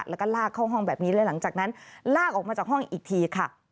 แล้วก็ลากเข้าห้องแบบนี้และหลังจากนั้นลากออกมาจากห้องอีกทีค่ะ